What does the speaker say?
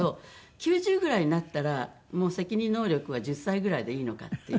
９０ぐらいになったらもう責任能力は１０歳ぐらいでいいのかっていう。